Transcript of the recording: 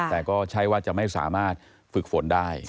แต่ก็ใช่ว่าจะไม่สามารถฝึกฝนได้